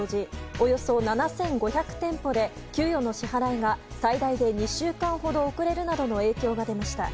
およそ７５００店舗で給与の支払いが最大で２週間遅れるなどの影響が出ました。